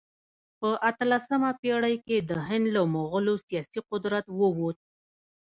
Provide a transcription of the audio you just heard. په اتلسمه پېړۍ کې د هند له مغولو سیاسي قدرت ووت.